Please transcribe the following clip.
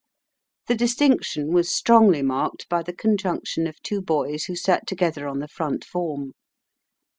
The distinction was strongly marked by the conjunction of two boys who sat together on the front form.